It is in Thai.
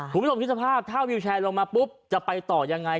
คุณผู้ชมคิดสภาพถ้าวิวแชร์ลงมาปุ๊บจะไปต่อยังไง